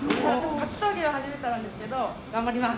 格闘技は初めてですけど頑張ります。